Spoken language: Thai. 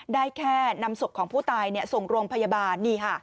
ได้แค่นำศพของผู้ตายส่งโรงพยาบาล